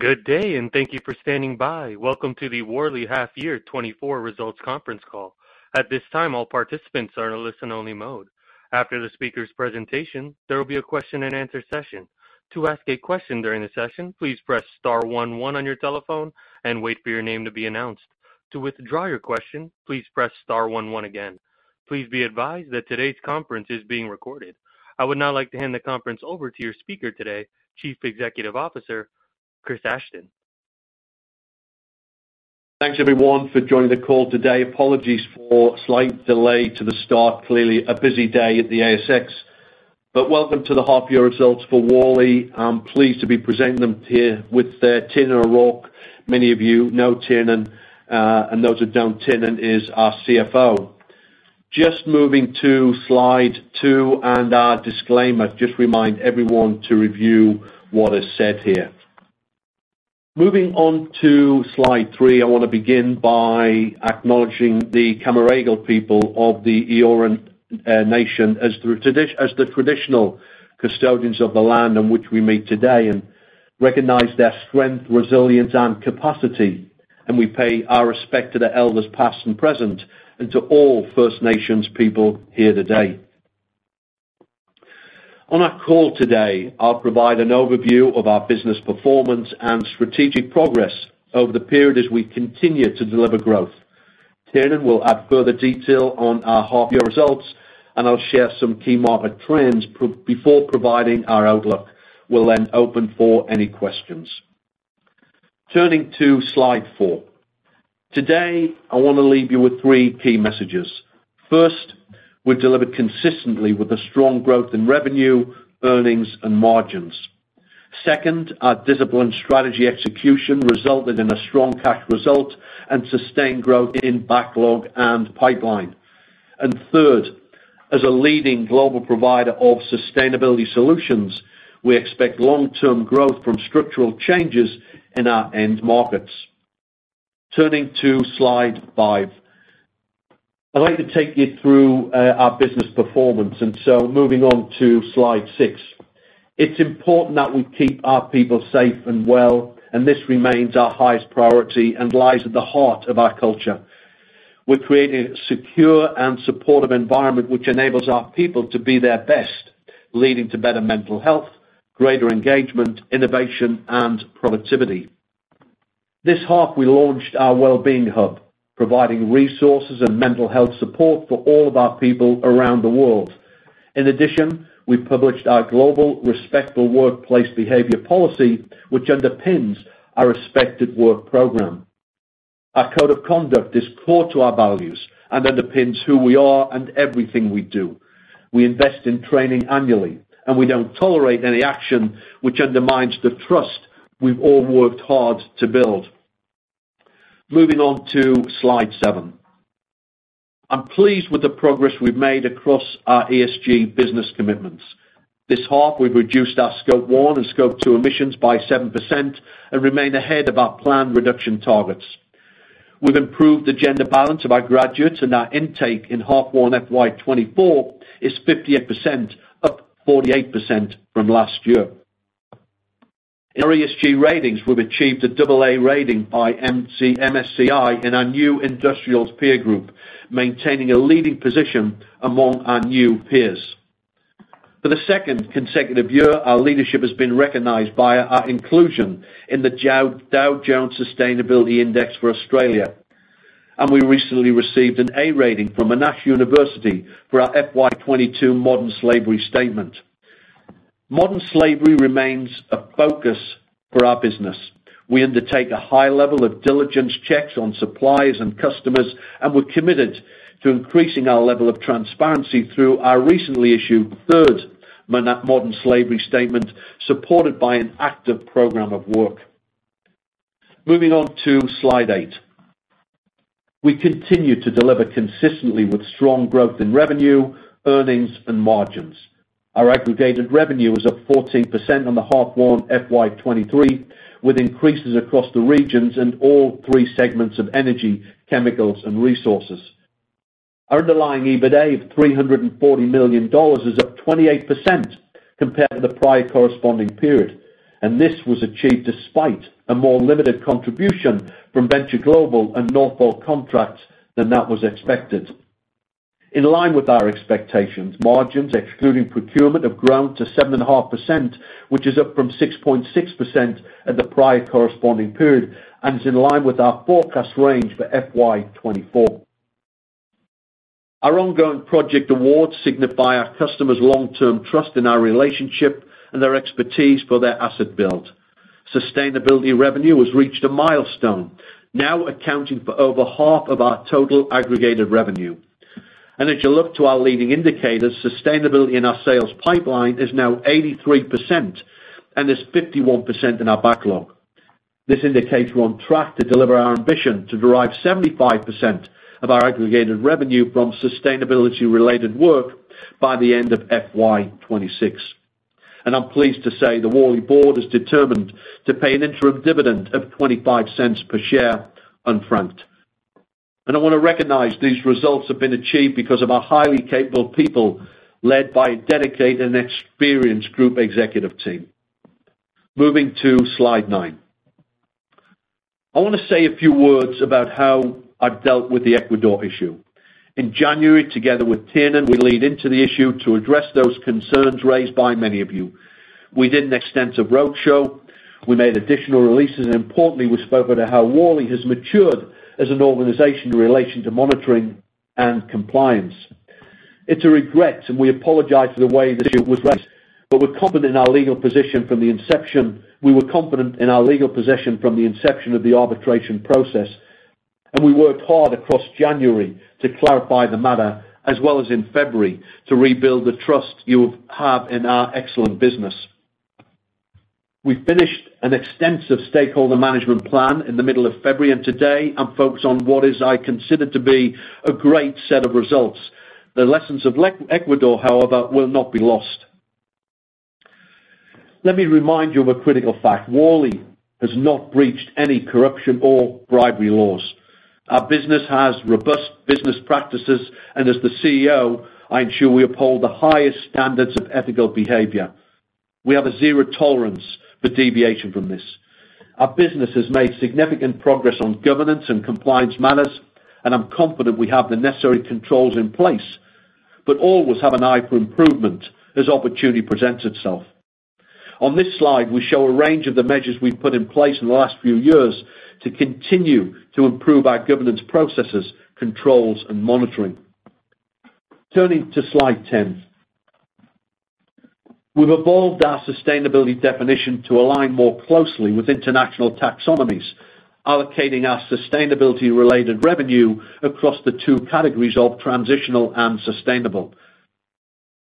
Good day, and thank you for standing by. Welcome to the Worley Half Year 2024 Results Conference Call. At this time, all participants are in a listen-only mode. After the speaker's presentation, there will be a question-and-answer session. To ask a question during the session, please press * one one on your telephone and wait for your name to be announced. To withdraw your question, please press * one one again. Please be advised that today's conference is being recorded. I would now like to hand the conference over to your speaker today, Chief Executive Officer, Chris Ashton. Thanks, everyone, for joining the call today. Apologies for slight delay to the start. Clearly, a busy day at the ASX. But welcome to the half-year results for Worley. I'm pleased to be presenting them here with Tiernan O'Rourke. Many of you know Tiernan, and those who don't, Tiernan is our CFO. Just moving to slide two and our disclaimer, just remind everyone to review what is said here. Moving on to slide three, I want to begin by acknowledging the Cammeraygal people of the Eora nation as the traditional custodians of the land on which we meet today, and recognize their strength, resilience and capacity, and we pay our respect to the elders, past and present, and to all First Nations people here today. On our call today, I'll provide an overview of our business performance and strategic progress over the period as we continue to deliver growth. Tiernan will add further detail on our half-year results, and I'll share some key market trends before providing our outlook. We'll then open for any questions. Turning to slide four. Today, I want to leave you with three key messages. First, we've delivered consistently with a strong growth in revenue, earnings and margins. Second, our disciplined strategy execution resulted in a strong cash result and sustained growth in backlog and pipeline. And third, as a leading global provider of sustainability solutions, we expect long-term growth from structural changes in our end markets. Turning to slide five. I'd like to take you through our business performance, and so moving on to slide six. It's important that we keep our people safe and well, and this remains our highest priority and lies at the heart of our culture. We're creating a secure and supportive environment which enables our people to be their best, leading to better mental health, greater engagement, innovation, and productivity. This half, we launched our Wellbeing Hub, providing resources and mental health support for all of our people around the world. In addition, we published our global Respectful Workplace Behavior policy, which underpins our Respected at Work program. Our code of conduct is core to our values and underpins who we are and everything we do. We invest in training annually, and we don't tolerate any action which undermines the trust we've all worked hard to build. Moving on to slide seven. I'm pleased with the progress we've made across our ESG business commitments. This half, we've reduced our Scope 1 and Scope 2 emissions by 7% and remain ahead of our planned reduction targets. We've improved the gender balance of our graduates, and our intake in half 1 FY 2024 is 58%, up 48% from last year. In our ESG ratings, we've achieved a double A rating by MSCI in our new industrials peer group, maintaining a leading position among our new peers. For the second consecutive year, our leadership has been recognized by our inclusion in the Dow Jones Sustainability Index for Australia, and we recently received an A rating from Monash University for our FY 2022 modern slavery statement. Modern slavery remains a focus for our business. We undertake a high level of diligence checks on suppliers and customers, and we're committed to increasing our level of transparency through our recently issued third modern slavery statement, supported by an active program of work. Moving on to slide 8. We continue to deliver consistently with strong growth in revenue, earnings and margins. Our aggregated revenue was up 14% on the H1 FY 2023, with increases across the regions and all three segments of energy, chemicals, and resources. Our underlying EBITDA of 340 million dollars is up 28% compared to the prior corresponding period, and this was achieved despite a more limited contribution from Venture Global and Northvolt contracts than that was expected. In line with our expectations, margins, excluding procurement, have grown to 7.5%, which is up from 6.6% at the prior corresponding period and is in line with our forecast range for FY 2024. Our ongoing project awards signify our customers' long-term trust in our relationship and their expertise for their asset build. Sustainability revenue has reached a milestone, now accounting for over half of our total aggregated revenue. As you look to our leading indicators, sustainability in our sales pipeline is now 83%, and there's 51% in our backlog. This indicates we're on track to deliver our ambition to derive 75% of our aggregated revenue from sustainability-related work by the end of FY 2026. I'm pleased to say, the Worley board is determined to pay an interim dividend of 0.25 per share, unfranked. I want to recognize these results have been achieved because of our highly capable people, led by a dedicated and experienced group executive team. Moving to slide 9. I want to say a few words about how I've dealt with the Ecuador issue. In January, together with Tiernan, we leaned into the issue to address those concerns raised by many of you. We did an extensive roadshow, we made additional releases, and importantly, we spoke about how Worley has matured as an organization in relation to monitoring and compliance. It's a regret, and we apologize for the way the issue was raised, but we're confident in our legal position from the inception. We were confident in our legal position from the inception of the arbitration process, and we worked hard across January to clarify the matter, as well as in February, to rebuild the trust you have in our excellent business. We finished an extensive stakeholder management plan in the middle of February, and today I'm focused on what is, I consider to be, a great set of results. The lessons of Ecuador, however, will not be lost. Let me remind you of a critical fact. Worley has not breached any corruption or bribery laws. Our business has robust business practices, and as the CEO, I ensure we uphold the highest standards of ethical behavior. We have a zero tolerance for deviation from this. Our business has made significant progress on governance and compliance matters, and I'm confident we have the necessary controls in place, but always have an eye for improvement as opportunity presents itself. On this slide, we show a range of the measures we've put in place in the last few years to continue to improve our governance processes, controls and monitoring. Turning to slide 10. We've evolved our sustainability definition to align more closely with international taxonomies, allocating our sustainability-related revenue across the two categories of transitional and sustainable.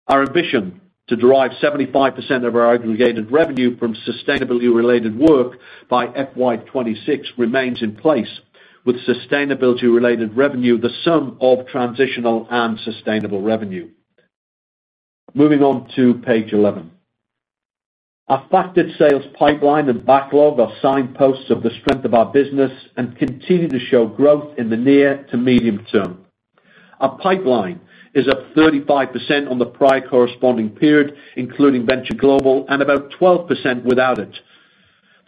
Our ambition to derive 75% of our aggregated revenue from sustainability-related work by FY 2026 remains in place, with sustainability-related revenue, the sum of transitional and sustainable revenue. Moving on to page 11. Our factored sales pipeline and backlog are signposts of the strength of our business and continue to show growth in the near to medium term. Our pipeline is up 35% on the prior corresponding period, including Venture Global, and about 12% without it.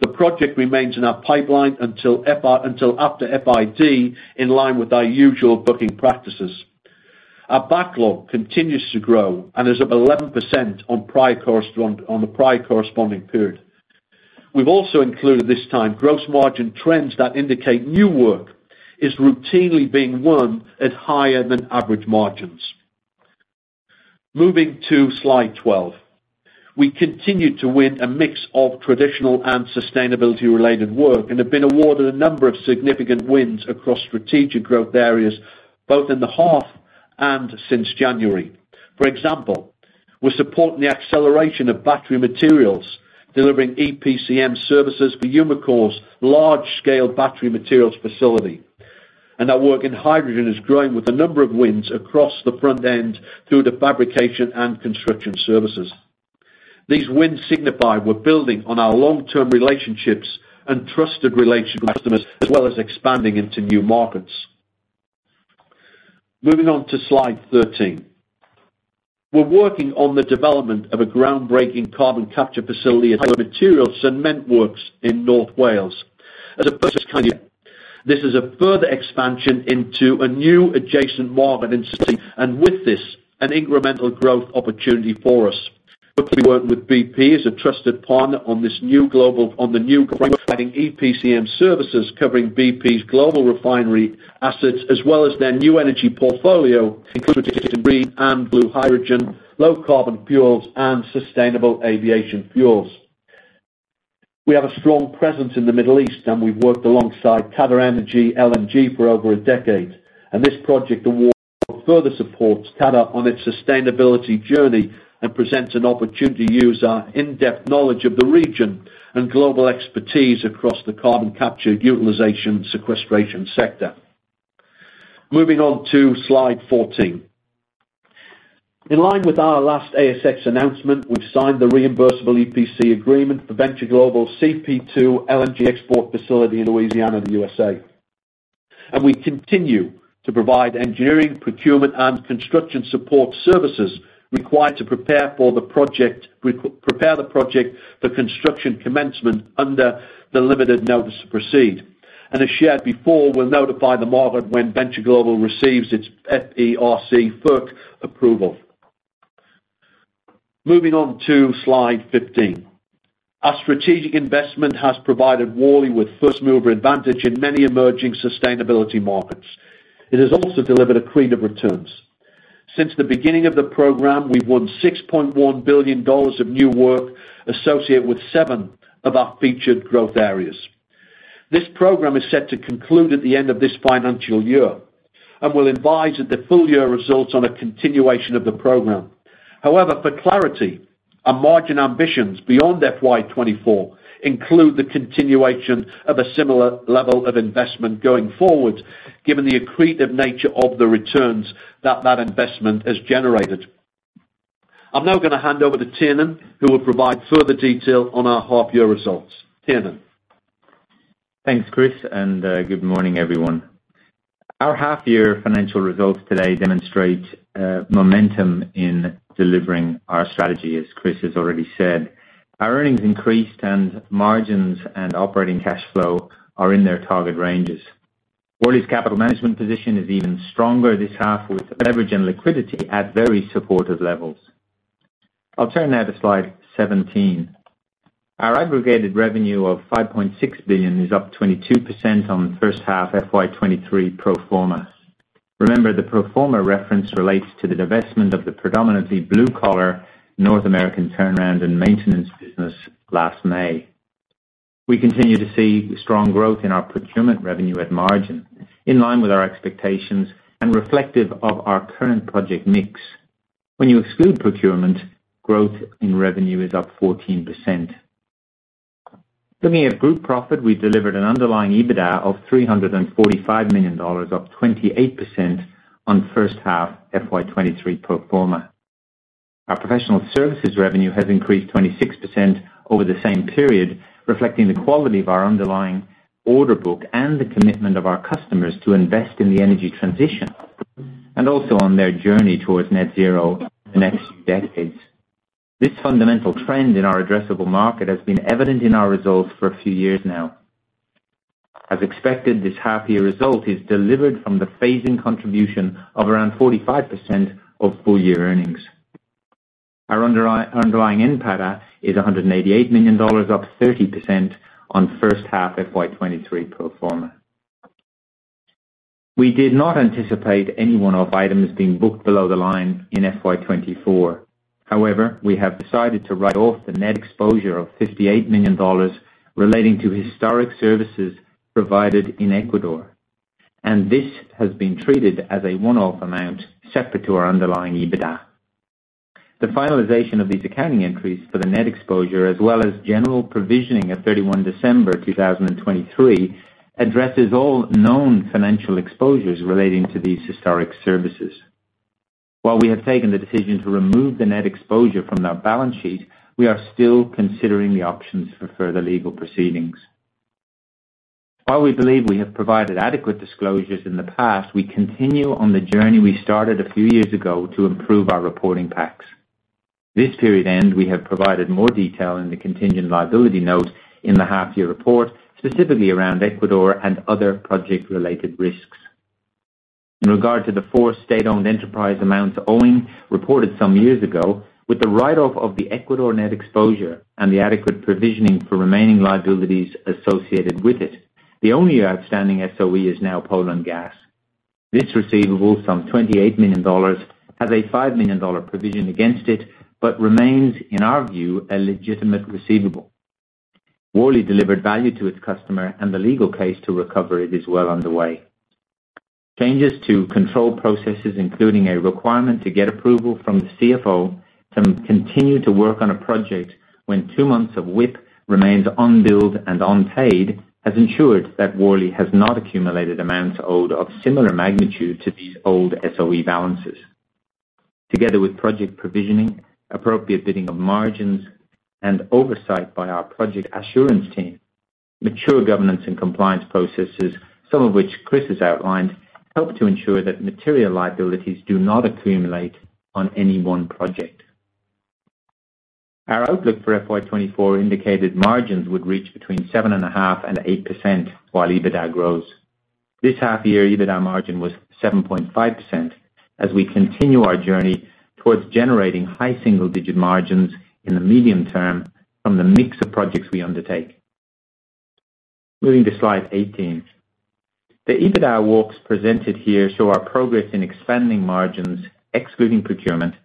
The project remains in our pipeline until after FID, in line with our usual booking practices. Our backlog continues to grow and is up 11% on the prior corresponding period. We've also included this time, gross margin trends that indicate new work is routinely being won at higher than average margins. Moving to slide 12. We continue to win a mix of traditional and sustainability-related work and have been awarded a number of significant wins across strategic growth areas, both in the half and since January. For example, we're supporting the acceleration of battery materials, delivering EPCM services for Umicore's large-scale battery materials facility. Our work in hydrogen is growing with a number of wins across the front end, through to fabrication and construction services. These wins signify we're building on our long-term relationships and trusted relationships with customers, as well as expanding into new markets. Moving on to slide 13. We're working on the development of a groundbreaking carbon capture facility at Heidelberg Materials Cement Works in North Wales. As a first-of-its-kind, this is a further expansion into a new adjacent market in CCUS, and with this, an incremental growth opportunity for us. We work with BP as a trusted partner on the new EPCM services, covering BP's global refinery assets, as well as their new energy portfolio, including green and blue hydrogen, low carbon fuels, and sustainable aviation fuels. We have a strong presence in the Middle East, and we've worked alongside QatarEnergy LNG for over a decade, and this project award further supports Qatar on its sustainability journey and presents an opportunity to use our in-depth knowledge of the region and global expertise across the carbon capture utilization and sequestration sector. Moving on to slide 14. In line with our last ASX announcement, we've signed the reimbursable EPC agreement for Venture Global CP2 LNG export facility in Louisiana, the USA. We continue to provide engineering, procurement, and construction support services required to prepare the project for construction commencement under the limited notice to proceed. As shared before, we'll notify the market when Venture Global receives its FERC approval. Moving on to slide 15. Our strategic investment has provided Worley with first mover advantage in many emerging sustainability markets. It has also delivered accretive returns. Since the beginning of the program, we've won $6.1 billion of new work associated with seven of our featured growth areas. This program is set to conclude at the end of this financial year, and we'll advise at the Full Year Results on a continuation of the program. However, for clarity, our margin ambitions beyond FY 2024 include the continuation of a similar level of investment going forward, given the accretive nature of the returns that that investment has generated.... I'm now going to hand over to Tiernan, who will provide further detail on our Half Year Resultss. Tiernan? Thanks, Chris, and good morning, everyone. Our half year financial results today demonstrate momentum in delivering our strategy, as Chris has already said. Our earnings increased, and margins and operating cash flow are in their target ranges. Worley's capital management position is even stronger this half, with leverage and liquidity at very supportive levels. I'll turn now to slide 17. Our aggregated revenue of 5.6 billion is up 22% on first half FY 2023 pro forma. Remember, the pro forma reference relates to the divestment of the predominantly blue collar North American turnaround and maintenance business last May. We continue to see strong growth in our procurement revenue at margin, in line with our expectations and reflective of our current project mix. When you exclude procurement, growth in revenue is up 14%. Looking at group profit, we delivered an underlying EBITDA of 345 million dollars, up 28% on first half FY 2023 pro forma. Our professional services revenue has increased 26% over the same period, reflecting the quality of our underlying order book and the commitment of our customers to invest in the energy transition, and also on their journey towards net zero in the next decades. This fundamental trend in our addressable market has been evident in our results for a few years now. As expected, this Half Year Results is delivered from the phasing contribution of around 45% of full year earnings. Our underlying NPATA is 188 million dollars, up 30% on first half FY 2023 pro forma. We did not anticipate any one-off items being booked below the line in FY 2024. However, we have decided to write off the net exposure of $58 million relating to historic services provided in Ecuador, and this has been treated as a one-off amount, separate to our underlying EBITDA. The finalization of these accounting entries for the net exposure, as well as general provisioning of 31 December 2023, addresses all known financial exposures relating to these historic services. While we have taken the decision to remove the net exposure from our balance sheet, we are still considering the options for further legal proceedings. While we believe we have provided adequate disclosures in the past, we continue on the journey we started a few years ago to improve our reporting packs. This period end, we have provided more detail in the contingent liability note in the half year report, specifically around Ecuador and other project-related risks. In regard to the four state-owned enterprise amounts owing, reported some years ago, with the write-off of the Ecuador net exposure and the adequate provisioning for remaining liabilities associated with it, the only outstanding SOE is now Poland Gas. This receivable, some $28 million, has a $5 million provision against it, but remains, in our view, a legitimate receivable. Worley delivered value to its customer, and the legal case to recover it is well underway. Changes to control processes, including a requirement to get approval from the CFO to continue to work on a project when two months of WIP remains unbilled and unpaid, has ensured that Worley has not accumulated amounts owed of similar magnitude to these old SOE balances. Together with project provisioning, appropriate bidding of margins, and oversight by our project assurance team, mature governance and compliance processes, some of which Chris has outlined, help to ensure that material liabilities do not accumulate on any one project. Our outlook for FY 2024 indicated margins would reach between 7.5% and 8%, while EBITDA grows. This half year, EBITDA margin was 7.5%, as we continue our journey towards generating high single-digit margins in the medium term from the mix of projects we undertake. Moving to slide 18. The EBITDA walks presented here show our progress in expanding margins, excluding procurement,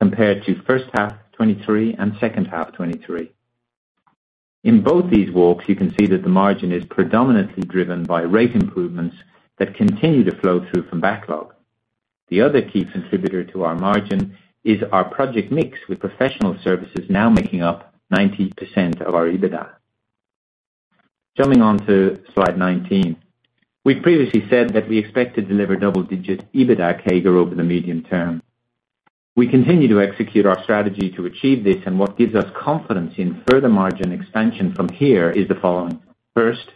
compared to first half 2023 and second half 2023. In both these walks, you can see that the margin is predominantly driven by rate improvements that continue to flow through from backlog. The other key contributor to our margin is our project mix, with professional services now making up 90% of our EBITDA. Jumping on to slide 19. We previously said that we expect to deliver double-digit EBITDA CAGR over the medium term. We continue to execute our strategy to achieve this, and what gives us confidence in further margin expansion from here is the following. First,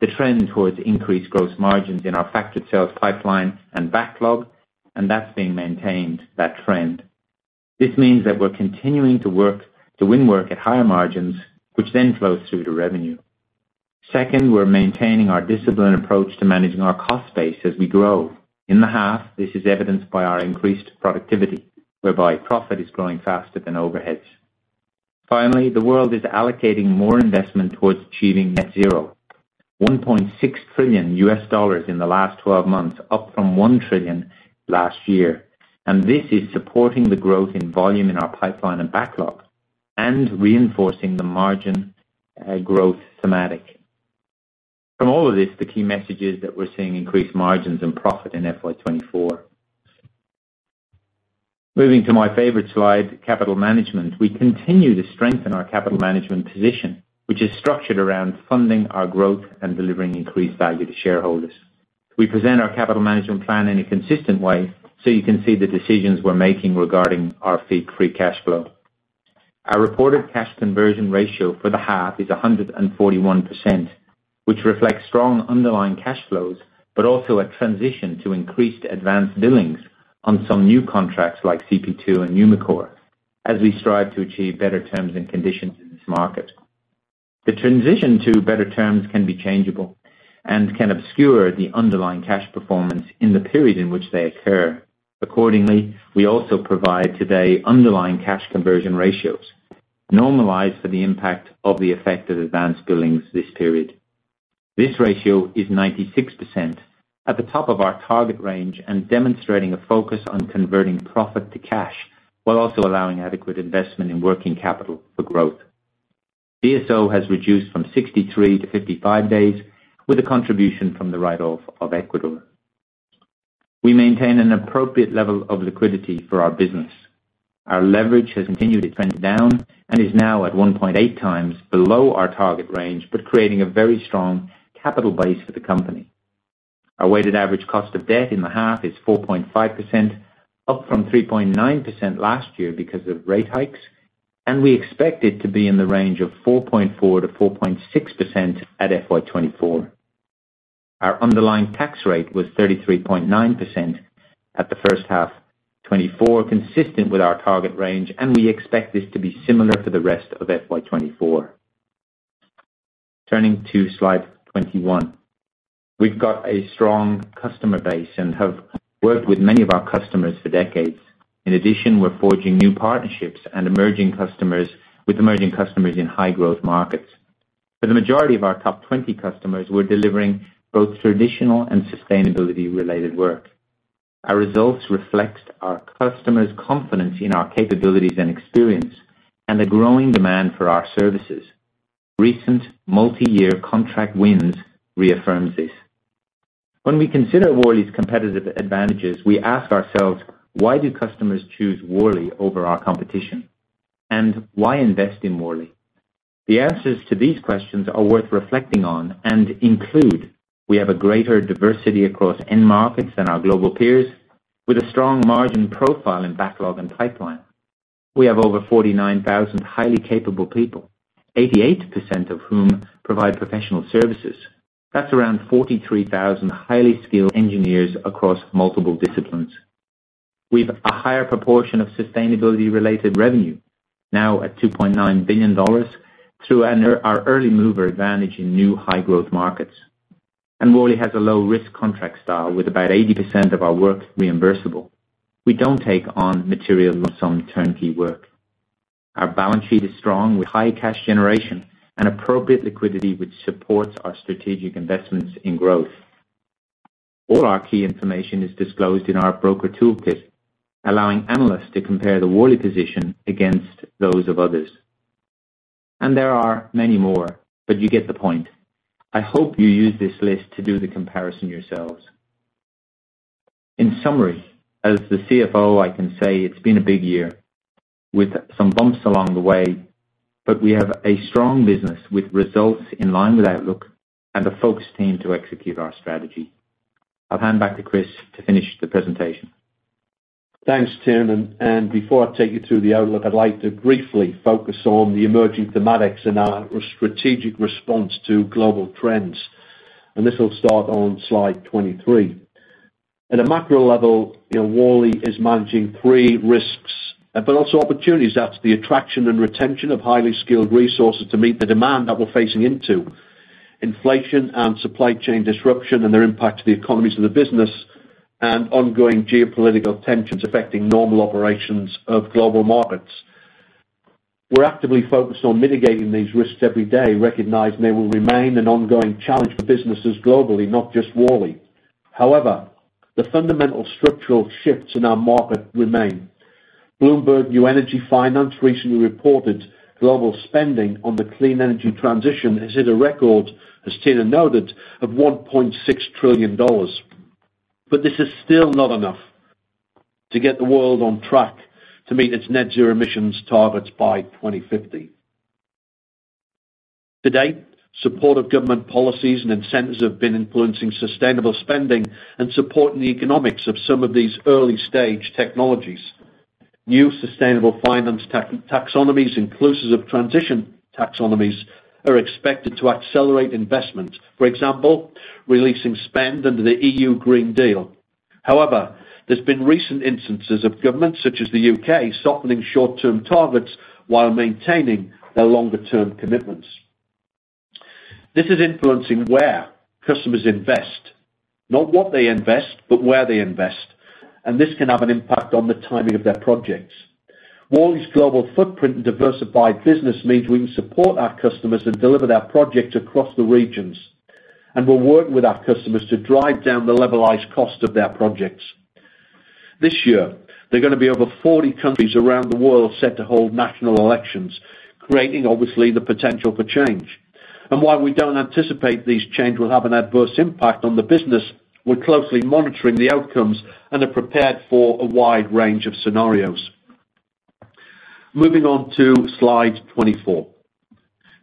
the trend towards increased gross margins in our factored sales pipeline and backlog, and that's being maintained, that trend. This means that we're continuing to work to win work at higher margins, which then flows through to revenue. Second, we're maintaining our disciplined approach to managing our cost base as we grow. In the half, this is evidenced by our increased productivity, whereby profit is growing faster than overheads. Finally, the world is allocating more investment towards achieving net zero, $1.6 trillion in the last twelve months, up from $1 trillion last year, and this is supporting the growth in volume in our pipeline and backlog and reinforcing the margin growth thematic. From all of this, the key message is that we're seeing increased margins and profit in FY 2024. Moving to my favorite slide, capital management. We continue to strengthen our capital management position, which is structured around funding our growth and delivering increased value to shareholders. We present our capital management plan in a consistent way, so you can see the decisions we're making regarding our free cash flow. Our reported cash conversion ratio for the half is 141%, which reflects strong underlying cash flows, but also a transition to increased advanced billings on some new contracts like CP2 and Umicore, as we strive to achieve better terms and conditions in this market. The transition to better terms can be changeable and can obscure the underlying cash performance in the period in which they occur. Accordingly, we also provide today underlying cash conversion ratios, normalized for the impact of the effect of advanced billings this period. This ratio is 96%, at the top of our target range and demonstrating a focus on converting profit to cash, while also allowing adequate investment in working capital for growth. DSO has reduced from 63 to 55 days, with a contribution from the write-off of Ecuador. We maintain an appropriate level of liquidity for our business. Our leverage has continued to trend down and is now at 1.8 times below our target range, but creating a very strong capital base for the company. Our weighted average cost of debt in the half is 4.5%, up from 3.9% last year because of rate hikes, and we expect it to be in the range of 4.4%-4.6% at FY 2024. Our underlying tax rate was 33.9% at the first half 2024, consistent with our target range, and we expect this to be similar for the rest of FY 2024. Turning to slide 21. We've got a strong customer base and have worked with many of our customers for decades. In addition, we're forging new partnerships and emerging customers - with emerging customers in high growth markets. For the majority of our top 20 customers, we're delivering both traditional and sustainability-related work. Our results reflect our customers' confidence in our capabilities and experience, and a growing demand for our services. Recent multi-year contract wins reaffirms this. When we consider Worley's competitive advantages, we ask ourselves, why do customers choose Worley over our competition? And why invest in Worley? The answers to these questions are worth reflecting on and include: We have a greater diversity across end markets than our global peers, with a strong margin profile in backlog and pipeline. We have over 49,000 highly capable people, 88% of whom provide professional services. That's around 43,000 highly skilled engineers across multiple disciplines. We've a higher proportion of sustainability-related revenue, now at $2.9 billion, through our early mover advantage in new high growth markets. Worley has a low risk contract style, with about 80% of our work reimbursable. We don't take on material loss on turnkey work. Our balance sheet is strong, with high cash generation and appropriate liquidity, which supports our strategic investments in growth. All our key information is disclosed in our Broker Toolkit, allowing analysts to compare the Worley position against those of others. There are many more, but you get the point. I hope you use this list to do the comparison yourselves. In summary, as the CFO, I can say it's been a big year, with some bumps along the way, but we have a strong business with results in line with outlook and a focused team to execute our strategy. I'll hand back to Chris to finish the presentation. Thanks, Tim, and before I take you through the outlook, I'd like to briefly focus on the emerging thematics and our strategic response to global trends. This will start on slide 23. At a macro level, you know, Worley is managing three risks, but also opportunities. That's the attraction and retention of highly skilled resources to meet the demand that we're facing into, inflation and supply chain disruption and their impact to the economies of the business, and ongoing geopolitical tensions affecting normal operations of global markets. We're actively focused on mitigating these risks every day, recognizing they will remain an ongoing challenge for businesses globally, not just Worley. However, the fundamental structural shifts in our market remain. Bloomberg New Energy Finance recently reported global spending on the clean energy transition has hit a record, as Tiernan noted, of $1.6 trillion. But this is still not enough to get the world on track to meet its net zero emissions targets by 2050. To date, supportive government policies and incentives have been influencing sustainable spending and supporting the economics of some of these early-stage technologies. New sustainable finance taxonomies, inclusive of transition taxonomies, are expected to accelerate investment. For example, releasing spend under the EU Green Deal. However, there's been recent instances of governments, such as the U.K., softening short-term targets while maintaining their longer-term commitments. This is influencing where customers invest, not what they invest, but where they invest, and this can have an impact on the timing of their projects. Worley's global footprint and diversified business means we can support our customers and deliver their projects across the regions, and we're working with our customers to drive down the levelized cost of their projects. This year, there are gonna be over 40 countries around the world set to hold national elections, creating, obviously, the potential for change. And while we don't anticipate these changes will have an adverse impact on the business, we're closely monitoring the outcomes and are prepared for a wide range of scenarios. Moving on to slide 24.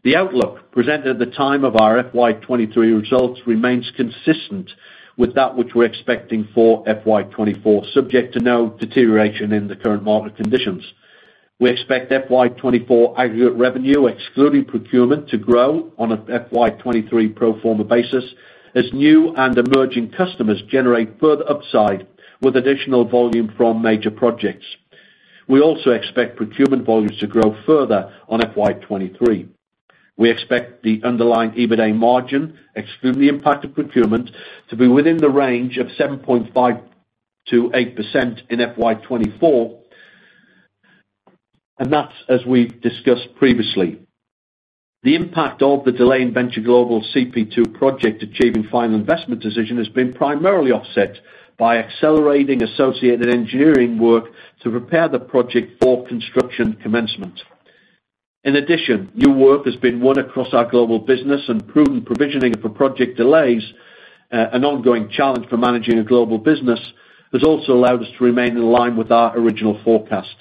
The outlook presented at the time of our FY 2023 results remains consistent with that which we're expecting for FY 2024, subject to no deterioration in the current market conditions. We expect FY 2024 aggregate revenue, excluding procurement, to grow on an FY 2023 pro forma basis, as new and emerging customers generate further upside with additional volume from major projects. We also expect procurement volumes to grow further on FY 2023. We expect the underlying EBITDA margin, excluding the impact of procurement, to be within the range of 7.5%-8% in FY 2024, and that's as we've discussed previously. The impact of the delay in Venture Global CP2 project achieving final investment decision has been primarily offset by accelerating associated engineering work to prepare the project for construction commencement. In addition, new work has been won across our global business, and prudent provisioning for project delays, an ongoing challenge for managing a global business, has also allowed us to remain in line with our original forecast.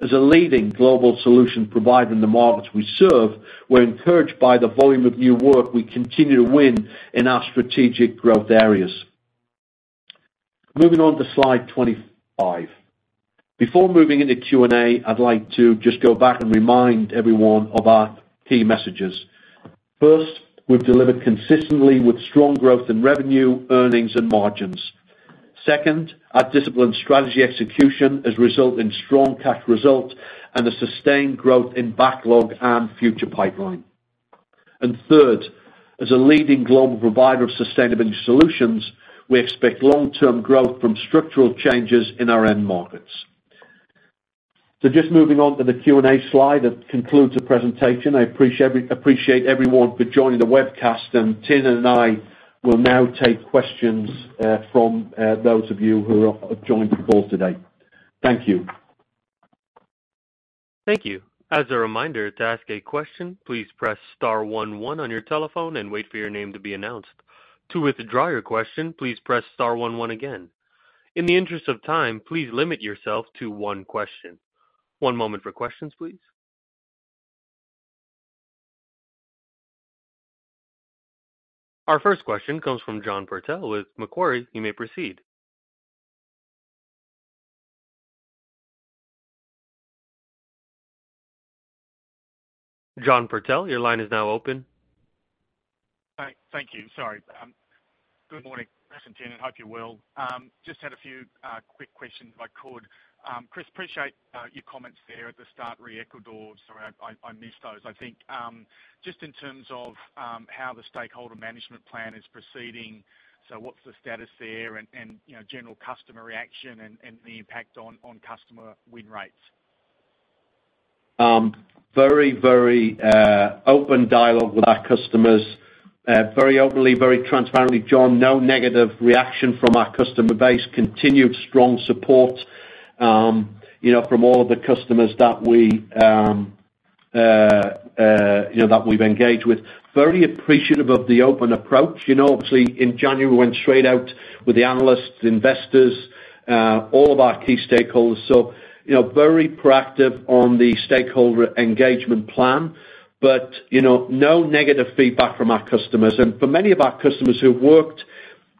As a leading global solution provider in the markets we serve, we're encouraged by the volume of new work we continue to win in our strategic growth areas. Moving on to slide 25. Before moving into Q&A, I'd like to just go back and remind everyone of our key messages. First, we've delivered consistently with strong growth in revenue, earnings, and margins. Second, our disciplined strategy execution has resulted in strong cash result and a sustained growth in backlog and future pipeline. And third, as a leading global provider of sustainable energy solutions, we expect long-term growth from structural changes in our end markets. So just moving on to the Q&A slide, that concludes the presentation. I appreciate, appreciate everyone for joining the webcast, and Tim and I will now take questions from those of you who have joined the call today. Thank you. Thank you. As a reminder, to ask a question, please press * one one on your telephone and wait for your name to be announced. To withdraw your question, please press * one one again. In the interest of time, please limit yourself to one question. One moment for questions, please. Our first question comes from John Purtell with Macquarie. You may proceed. John Purtell, your line is now open. Thank you. Sorry. Good morning, Chris and Tim, I hope you're well. Just had a few quick questions, if I could. Chris, appreciate your comments there at the start, re Ecuador. Sorry, I missed those. I think, just in terms of how the stakeholder management plan is proceeding, so what's the status there and you know, general customer reaction and the impact on customer win rates? Very, very, open dialogue with our customers. Very openly, very transparently, John, no negative reaction from our customer base. Continued strong support, you know, from all of the customers that we, you know, that we've engaged with. Very appreciative of the open approach. You know, obviously, in January, we went straight out with the analysts, investors, all of our key stakeholders. So, you know, very proactive on the stakeholder engagement plan, but, you know, no negative feedback from our customers. And for many of our customers who worked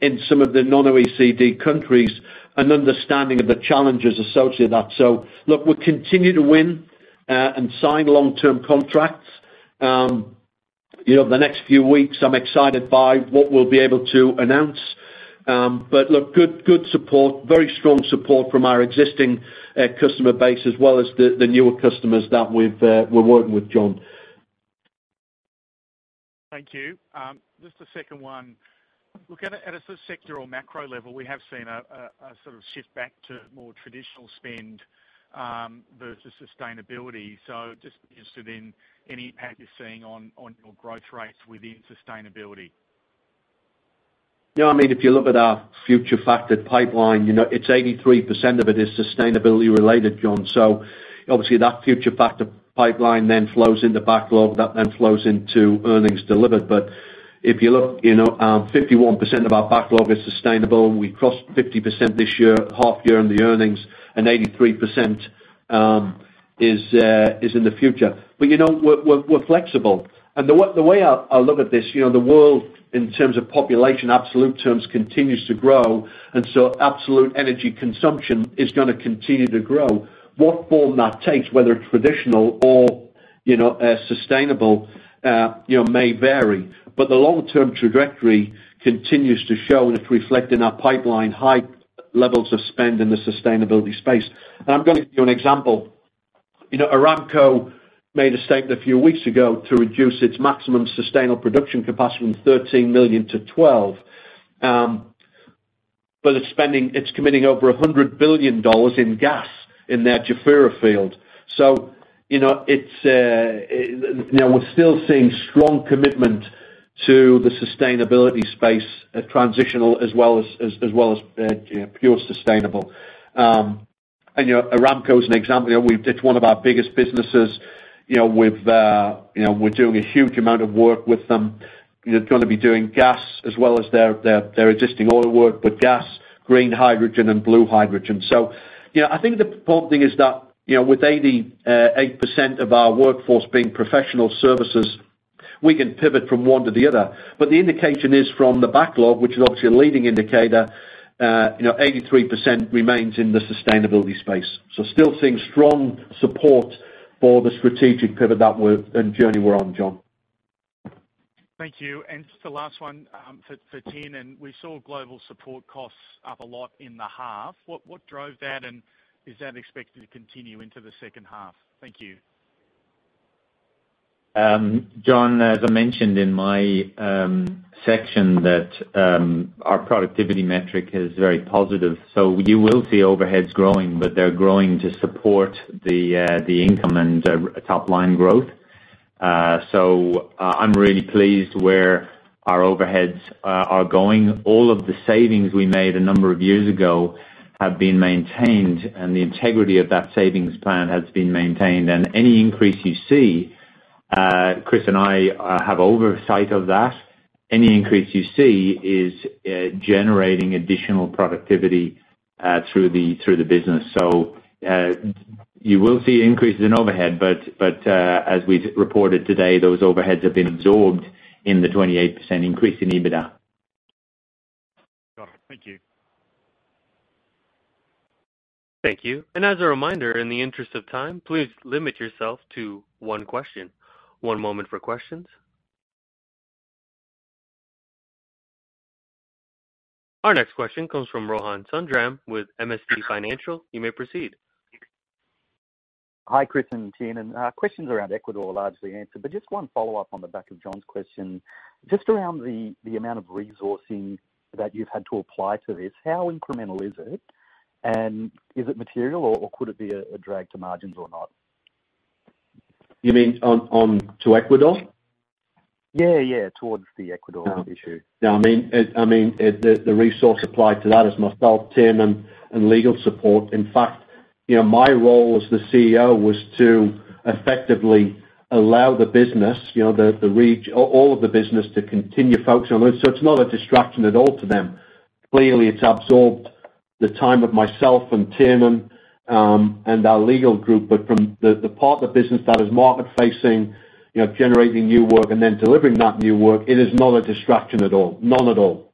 in some of the non-OECD countries, an understanding of the challenges associated with that. So look, we continue to win, and sign long-term contracts. You know, over the next few weeks, I'm excited by what we'll be able to announce. But look, good, good support, very strong support from our existing customer base, as well as the, the newer customers that we've, we're working with, John. Thank you. Just a second one. Look, at a sort of sector or macro level, we have seen a sort of shift back to more traditional spend versus sustainability. So just interested in any impact you're seeing on your growth rates within sustainability. Yeah, I mean, if you look at our future factored pipeline, you know, it's 83% of it is sustainability related, John. So obviously that future factored pipeline then flows into backlog, that then flows into earnings delivered. But if you look, you know, 51% of our backlog is sustainable, and we crossed 50% this year, half year in the earnings, and 83%, is in the future. But you know, we're flexible. And the way I look at this, you know, the world in terms of population, absolute terms, continues to grow, and so absolute energy consumption is gonna continue to grow. What form that takes, whether it's traditional or, you know, sustainable, you know, may vary. But the long-term trajectory continues to show, and it's reflected in our pipeline, high levels of spend in the sustainability space. I'm gonna give you an example. You know, Aramco made a statement a few weeks ago to reduce its maximum sustainable production capacity from 13 million to 12. But it's spending—it's committing over $100 billion in gas in their Jafurah field. So, you know, it's, we're still seeing strong commitment to the sustainability space, transitional as well as pure sustainable. And, you know, Aramco is an example. You know, we've—it's one of our biggest businesses.... you know, with, you know, we're doing a huge amount of work with them. They're gonna be doing gas as well as their, their, their existing oil work, but gas, green hydrogen, and blue hydrogen. So, you know, I think the important thing is that, you know, with 88% of our workforce being professional services, we can pivot from one to the other. But the indication is from the backlog, which is obviously a leading indicator, you know, 83% remains in the sustainability space. So still seeing strong support for the strategic pivot that we're and journey we're on, John. Thank you. And just the last one, for Tiernan. We saw global support costs up a lot in the half. What drove that, and is that expected to continue into the second half? Thank you. John, as I mentioned in my section, that our productivity metric is very positive. So you will see overheads growing, but they're growing to support the income and top-line growth. So I'm really pleased where our overheads are going. All of the savings we made a number of years ago have been maintained, and the integrity of that savings plan has been maintained. Any increase you see, Chris and I have oversight of that. Any increase you see is generating additional productivity through the business. So you will see increases in overhead, but as we've reported today, those overheads have been absorbed in the 28% increase in EBITDA. Got it. Thank you. Thank you. And as a reminder, in the interest of time, please limit yourself to one question. One moment for questions. Our next question comes from Rohan Sundram with MST Financial. You may proceed. Hi, Chris and Tiernan. Questions around Ecuador are largely answered, but just one follow-up on the back of John's question. Just around the amount of resourcing that you've had to apply to this, how incremental is it? And is it material, or could it be a drag to margins or not? You mean on... to Ecuador? Yeah, yeah, toward the Ecuador issue. No, I mean, the resource applied to that is myself, Tiernan, and legal support. In fact, you know, my role as the CEO was to effectively allow the business, you know, all of the business to continue focusing on it. So it's not a distraction at all to them. Clearly, it's absorbed the time of myself and Tiernan, and our legal group, but from the part of the business that is market-facing, you know, generating new work and then delivering that new work, it is not a distraction at all. None at all.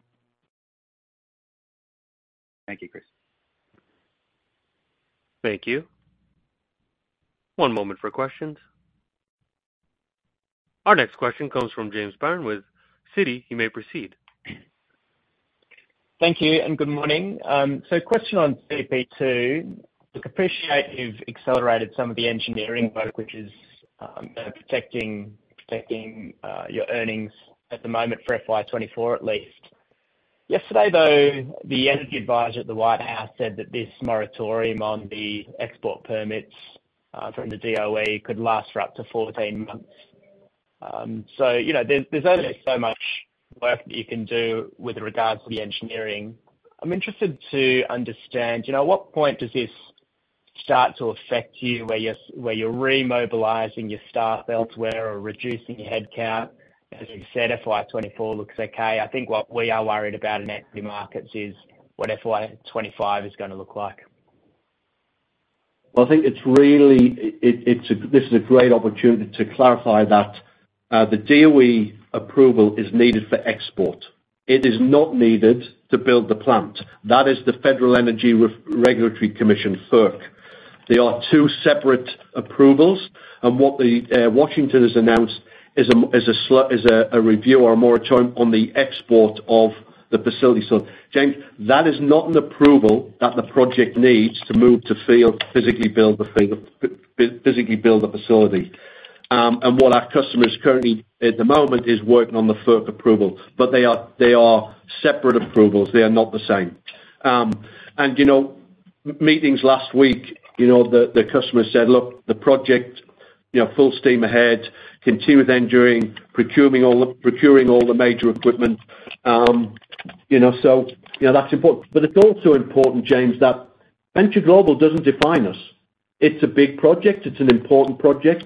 Thank you, Chris. Thank you. One moment for questions. Our next question comes from James Byrne with Citi. You may proceed. Thank you, and good morning. So question on CP2. Look, appreciate you've accelerated some of the engineering work, which is protecting your earnings at the moment for FY24, at least. Yesterday, though, the energy advisor at the White House said that this moratorium on the export permits from the DOE could last for up to 14 months. So, you know, there's only so much work that you can do with regards to the engineering. I'm interested to understand, you know, at what point does this start to affect you, where you're remobilizing your staff elsewhere or reducing your headcount? As you said, FY24 looks okay. I think what we are worried about in equity markets is what FY25 is gonna look like. Well, I think it's really this is a great opportunity to clarify that the DOE approval is needed for export. It is not needed to build the plant. That is the Federal Energy Regulatory Commission, FERC. They are two separate approvals, and what Washington has announced is a review or a moratorium on the export of the facility. So, James, that is not an approval that the project needs to move to FID, physically build the facility. And what our customer is currently, at the moment, is working on the FERC approval, but they are separate approvals. They are not the same. And, you know, meetings last week, you know, the customer said, "Look, the project, you know, full steam ahead, continue with engineering, procuring all the major equipment." You know, so, you know, that's important. But it's also important, James, that Venture Global doesn't define us. It's a big project. It's an important project.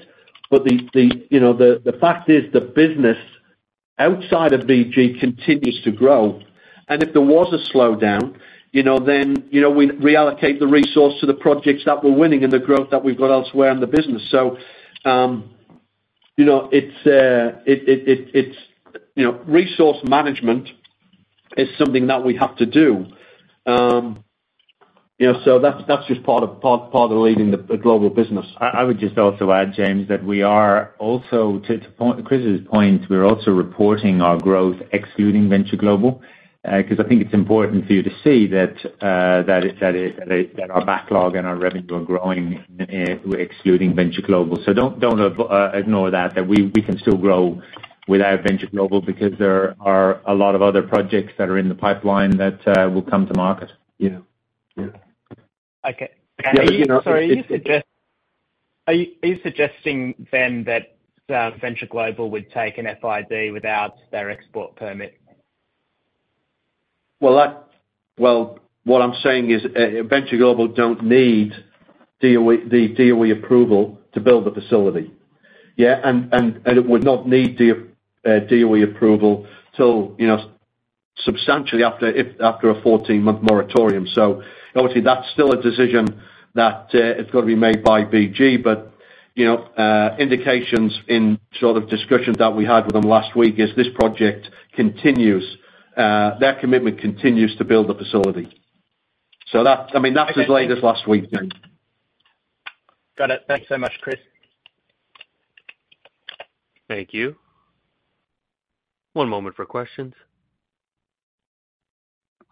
But the, you know, the fact is, the business outside of VG continues to grow, and if there was a slowdown, you know, then, you know, we reallocate the resource to the projects that we're winning and the growth that we've got elsewhere in the business. So, you know, it's, it's, you know, resource management is something that we have to do. You know, so that's just part of leading a global business. I would just also add, James, that we are also, to point—Chris's point, we're also reporting our growth excluding Venture Global, because I think it's important for you to see that, that our backlog and our revenue are growing, excluding Venture Global. So don't ignore that, that we can still grow without Venture Global, because there are a lot of other projects that are in the pipeline that will come to market. Yeah. Yeah. Okay. Yeah, you know- So are you suggesting then that Venture Global would take an FID without their export permit?... Well, that, well, what I'm saying is, Venture Global don't need DOE, the DOE approval to build the facility. Yeah, and it would not need the DOE approval till, you know, substantially after if, after a 14-month moratorium. So obviously, that's still a decision that, it's got to be made by BG. But, you know, indications in sort of discussions that we had with them last week is this project continues, their commitment continues to build the facility. So that's, I mean, that's as late as last week. Got it. Thanks so much, Chris. Thank you. One moment for questions.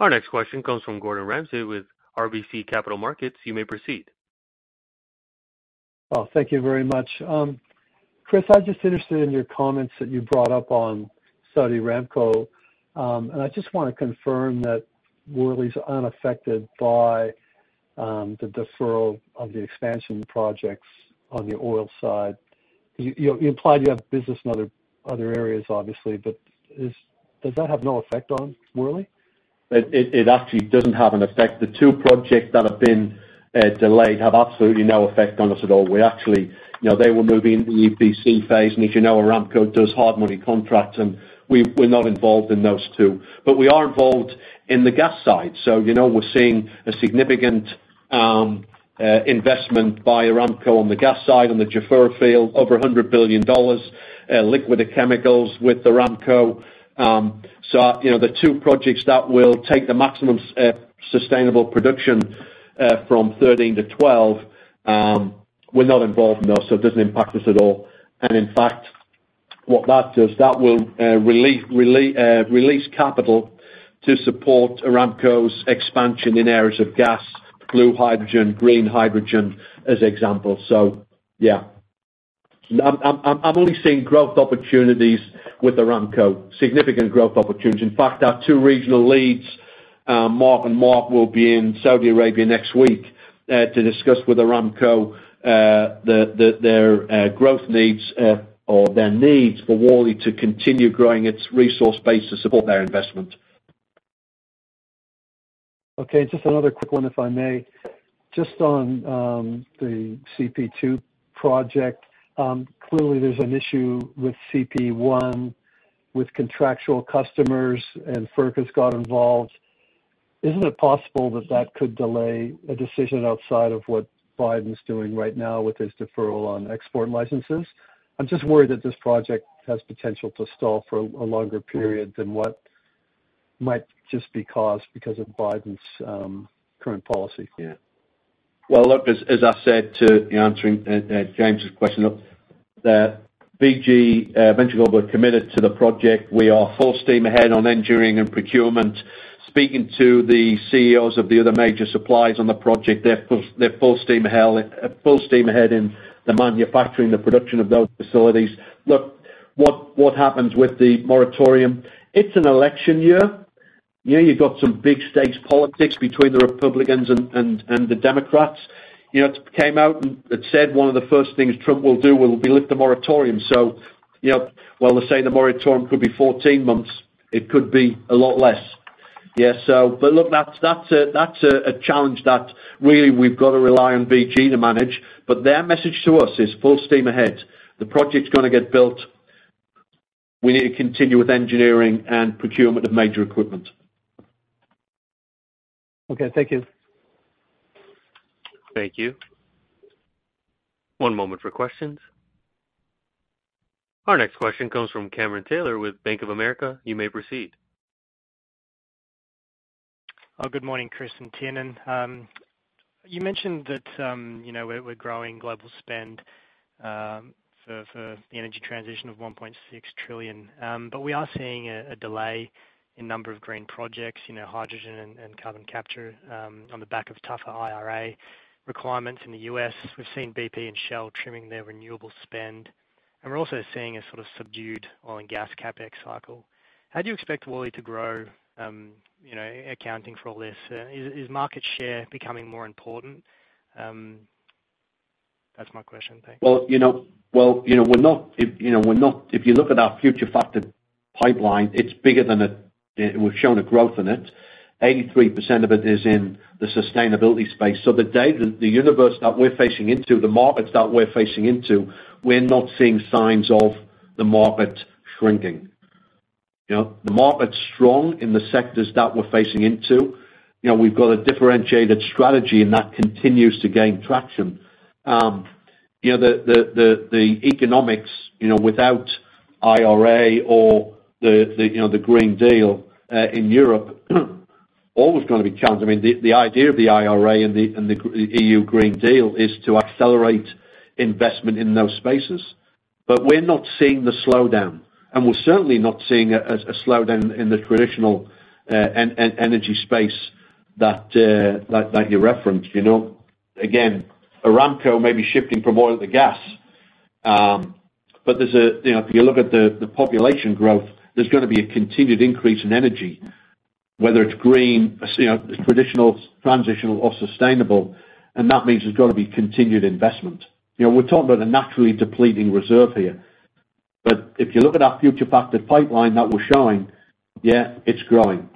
Our next question comes from Gordon Ramsey with RBC Capital Markets. You may proceed. Oh, thank you very much. Chris, I'm just interested in your comments that you brought up on Saudi Aramco. And I just want to confirm that Worley's unaffected by the deferral of the expansion projects on the oil side. You implied you have business in other areas, obviously, but does that have no effect on Worley? It actually doesn't have an effect. The two projects that have been delayed have absolutely no effect on us at all. We actually... You know, they were moving the EPC phase, and if you know, Aramco does hard money contracts, and we, we're not involved in those two. But we are involved in the gas side, so, you know, we're seeing a significant investment by Aramco on the gas side, on the Jafurah field, over $100 billion, liquid and chemicals with Aramco. So, you know, the two projects that will take the maximum sustainable production from 13 to 12, we're not involved in those, so it doesn't impact us at all. In fact, what that does, that will release capital to support Aramco's expansion in areas of gas, blue hydrogen, green hydrogen, as examples. So yeah, I'm only seeing growth opportunities with Aramco, significant growth opportunities. In fact, our two regional leads, Mark and Mark, will be in Saudi Arabia next week to discuss with Aramco their growth needs or their needs for Worley to continue growing its resource base to support their investment. Okay, just another quick one, if I may. Just on the CP2 project, clearly there's an issue with CP1, with contractual customers, and FERC has got involved. Isn't it possible that that could delay a decision outside of what Biden's doing right now with his deferral on export licenses? I'm just worried that this project has potential to stall for a longer period than what might just be caused because of Biden's current policy. Yeah. Well, look, as I said in answering James's question, that Venture Global are committed to the project. We are full steam ahead on engineering and procurement. Speaking to the CEOs of the other major suppliers on the project, they're full steam ahead, full steam ahead in the manufacturing, the production of those facilities. Look, what happens with the moratorium? It's an election year. You know, you've got some big stakes politics between the Republicans and the Democrats. You know, it came out and it said one of the first things Trump will do will be lift the moratorium. So, you know, while they say the moratorium could be 14 months, it could be a lot less. Yeah, so but look, that's a challenge that really we've got to rely on BG to manage, but their message to us is full steam ahead. The project's gonna get built. We need to continue with engineering and procurement of major equipment. Okay, thank you. Thank you. One moment for questions. Our next question comes from Cameron Taylor with Bank of America. You may proceed. Oh, good morning, Chris and Tiernan. You mentioned that, you know, we're, we're growing global spend, for, for the energy transition of $1.6 trillion. But we are seeing a, a delay in number of green projects, you know, hydrogen and, and carbon capture, on the back of tougher IRA requirements in the U.S. We've seen BP and Shell trimming their renewable spend, and we're also seeing a sort of subdued oil and gas CapEx cycle. How do you expect Worley to grow, you know, accounting for all this? Is, is market share becoming more important? That's my question. Thank you. Well, you know, we're not-- If you look at our factored sales pipeline, it's bigger than a... We've shown a growth in it. 83% of it is in the sustainability space. So the universe that we're facing into, the markets that we're facing into, we're not seeing signs of the market shrinking. You know, the market's strong in the sectors that we're facing into. You know, we've got a differentiated strategy, and that continues to gain traction. You know, the economics, you know, without IRA or the Green Deal in Europe, always gonna be challenged. I mean, the idea of the IRA and the EU Green Deal is to accelerate investment in those spaces. But we're not seeing the slowdown, and we're certainly not seeing a slowdown in the traditional energy space that you referenced, you know? Again, Aramco may be shifting from oil to gas, but there's a... You know, if you look at the population growth, there's gonna be a continued increase in energy, whether it's green, you know, traditional, transitional or sustainable, and that means there's got to be continued investment. You know, we're talking about a naturally depleting reserve here.... But if you look at our factored pipeline that we're showing, yeah, it's growing.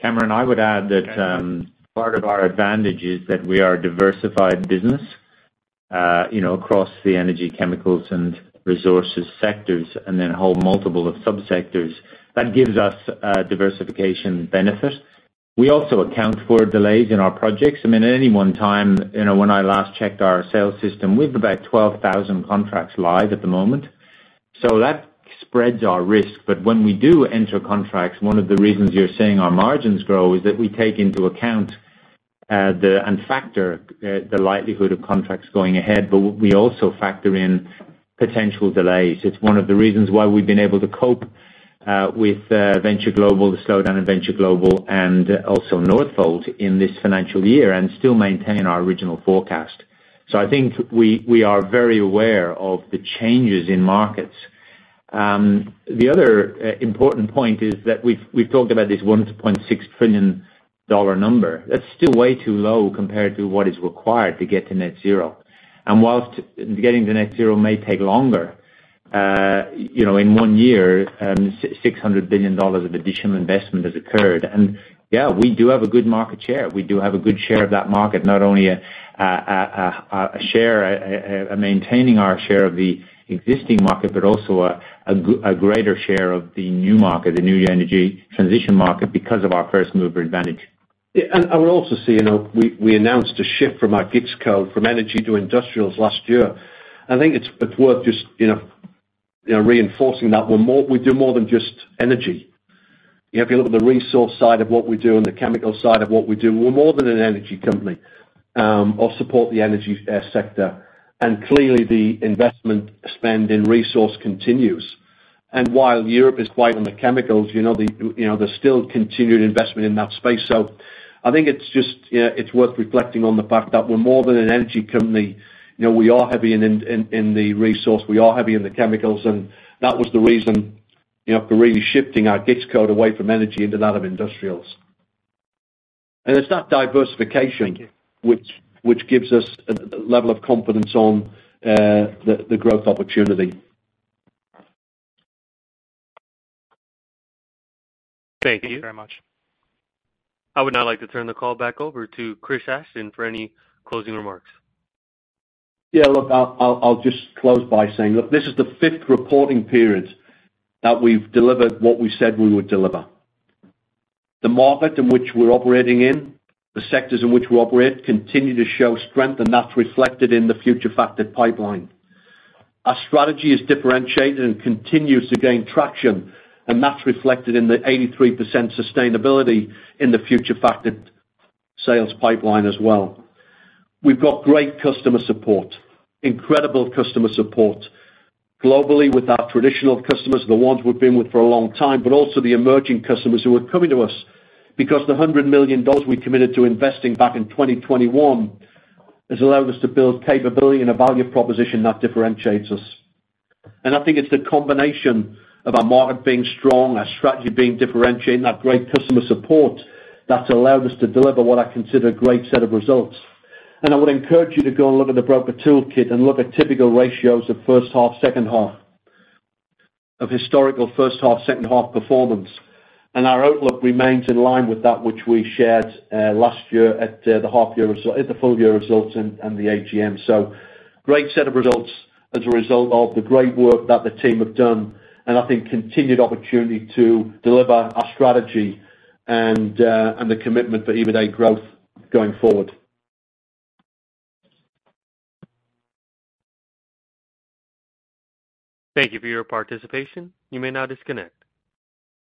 Cameron, I would add that part of our advantage is that we are a diversified business, you know, across the energy, chemicals, and resources sectors, and then a whole multiple of subsectors. That gives us a diversification benefit. We also account for delays in our projects. I mean, at any one time, you know, when I last checked our sales system, we've about 12,000 contracts live at the moment, so that spreads our risk. But when we do enter contracts, one of the reasons you're seeing our margins grow is that we take into account and factor the likelihood of contracts going ahead, but we also factor in potential delays. It's one of the reasons why we've been able to cope with Venture Global, the slowdown in Venture Global and also Northvolt in this financial year and still maintain our original forecast. So I think we, we are very aware of the changes in markets. The other important point is that we've, we've talked about this $1.6 trillion number. That's still way too low compared to what is required to get to net zero. And whilst getting to net zero may take longer, you know, in one year, $600 billion of additional investment has occurred. And yeah, we do have a good market share. We do have a good share of that market, not only a share, maintaining our share of the existing market, but also a greater share of the new market, the new energy transition market, because of our first mover advantage. Yeah, and I would also say, you know, we announced a shift from our GICS code from energy to industrials last year. I think it's worth just, you know, reinforcing that we're more, we do more than just energy. If you look at the resource side of what we do and the chemical side of what we do, we're more than an energy company, or support the energy sector. And clearly, the investment spend in resource continues. And while Europe is quiet on the chemicals, you know, you know, there's still continued investment in that space. So I think it's just, you know, it's worth reflecting on the fact that we're more than an energy company. You know, we are heavy in the resource, we are heavy in the chemicals, and that was the reason, you know, for really shifting our GICS code away from energy into that of industrials. It's that diversification which gives us the level of confidence on the growth opportunity. Thank you very much. I would now like to turn the call back over to Chris Ashton for any closing remarks. Yeah, look, I'll just close by saying, look, this is the fifth reporting period that we've delivered what we said we would deliver. The market in which we're operating in, the sectors in which we operate, continue to show strength, and that's reflected in the forward-factored pipeline. Our strategy is differentiated and continues to gain traction, and that's reflected in the 83% sustainability in the forward-factored sales pipeline as well. We've got great customer support, incredible customer support, globally with our traditional customers, the ones we've been with for a long time, but also the emerging customers who are coming to us. Because the $100 million we committed to investing back in 2021 has allowed us to build capability and a value proposition that differentiates us. I think it's the combination of our market being strong, our strategy being differentiated, and that great customer support, that's allowed us to deliver what I consider a great set of results. I would encourage you to go and look at the Broker Toolkit and look at typical ratios of first half, second half, of historical first half, second half performance. Our outlook remains in line with that which we shared last year at the Half Year Results at the Full Year Results and the AGM. So great set of results as a result of the great work that the team have done, and I think continued opportunity to deliver our strategy and the commitment for EBITDA growth going forward. Thank you for your participation. You may now disconnect.